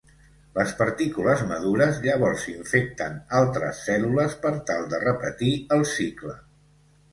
Les partícules madures llavors infecten altres cèl·lules per tal de repetir el cicle.